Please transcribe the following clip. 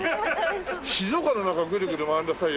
静岡の中をグルグル回りなさいよ。